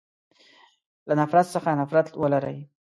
له نفرت څخه نفرت ولری.